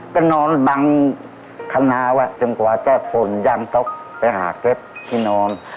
ก็นอนบางขณะจนกว่าจะผ่อนยังตกไปหาเก็บที่นอน